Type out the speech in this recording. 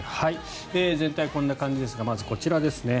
全体、こんな感じですがまずこちらですね。